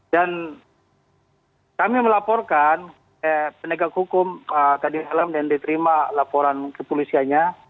dan kami melaporkan pendekat hukum kdlm yang diterima laporan kepolisiannya